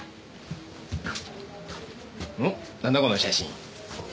なんだこの写真？